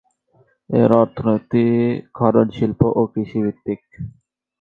এর অর্থনীতি খনন শিল্প ও কৃষিভিত্তিক।